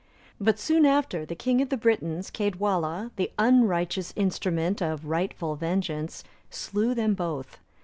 But soon after, the king of the Britons, Caedwalla,(285) the unrighteous instrument of rightful vengeance, slew them both.